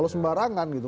buang barangan gitu